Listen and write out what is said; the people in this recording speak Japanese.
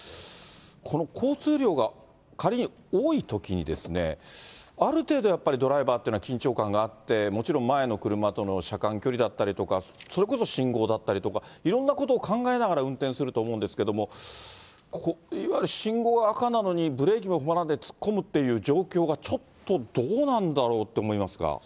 この交通量が仮に多いときに、ある程度やっぱりドライバーというのは緊張感があって、もちろん前の車との車間距離だったりとか、それこそ信号だったりとか、いろんなことを考えながら運転すると思うんですけども、いわゆる信号が赤なのにブレーキも踏まないで突っ込むという状況がちょっとどうなんだろうって思いますが。